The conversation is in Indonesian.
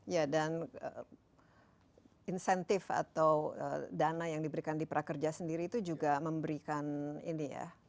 ya dan insentif atau dana yang diberikan di prakerja sendiri itu juga memberikan ini ya